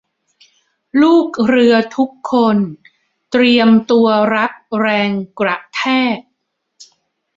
ลูกเรือทุกคน เตรียมตัวรับแรงกระแทก